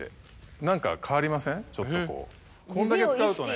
こんだけ使うとね。